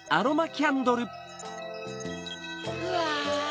うわ！